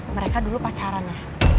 mereka dulu pacaran ya